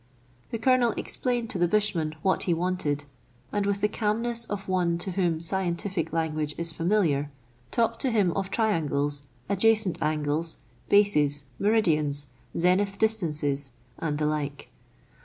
The Colonel explained to the bushman what he wanted, and with the calmness of one to whom scientific language is familiar, talked to him of triangles, adjacent angles, bases, meridians, zenith distances, and the like.